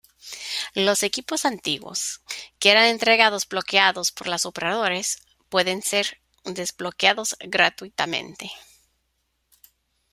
Los equipos antiguos, que era entregados bloqueados por las operadoras pueden ser desbloqueados gratuitamente.